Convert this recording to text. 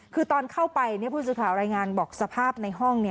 คือตอนเข้าไปผู้สื่อข่าวรายงานบอกสภาพในห้อง